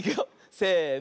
せの。